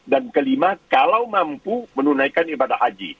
dan kelima kalau mampu menunaikan ibadah haji